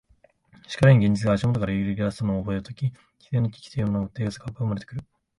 しかるに現実が足下から揺ぎ出すのを覚えるとき、基底の危機というものから哲学は生まれてくる。